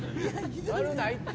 悪ないって。